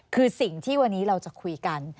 คือสิ่งที่วันนี้เราจะคุยกัน